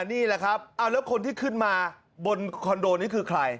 นี่แหละครับเอาแล้วคนที่ขึ้นมาบนคอนโดนี้คือใคร